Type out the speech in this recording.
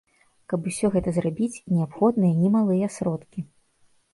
Каб усё гэта зрабіць, неабходныя немалыя сродкі.